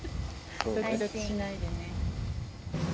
ドキドキしないでね。